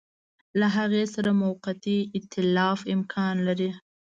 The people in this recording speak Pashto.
له هغه سره موقتي ایتلاف امکان نه لري.